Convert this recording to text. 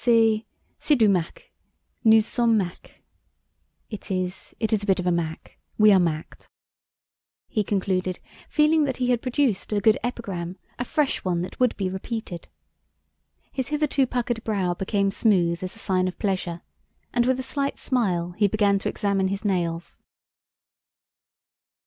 "C'est... c'est du Mack. Nous sommes mackés (It is... it is a bit of Mack. We are Macked)," he concluded, feeling that he had produced a good epigram, a fresh one that would be repeated. His hitherto puckered brow became smooth as a sign of pleasure, and with a slight smile he began to examine his nails.